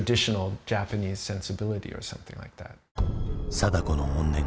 貞子の怨念。